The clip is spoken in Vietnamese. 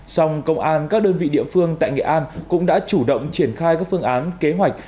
song công an các đơn vị địa phương tại nghệ an cũng đã chủ động triển khai các phương án kế hoạch